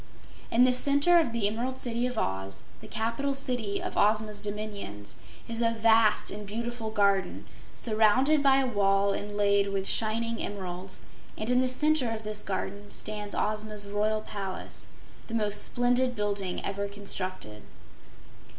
In the center of the Emerald City of Oz, the capital city of Ozma's dominions, is a vast and beautiful garden, surrounded by a wall inlaid with shining emeralds, and in the center of this garden stands Ozma's Royal Palace, the most splendid building ever constructed.